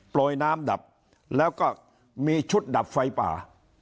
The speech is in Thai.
โรยน้ำดับแล้วก็มีชุดดับไฟป่า